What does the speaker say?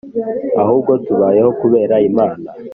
Ahubwo tubayeho kubera imana